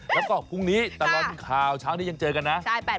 แล้วก็พรุ่งนี้ตลอดข่าวเช้านี้ยังเจอกันนะ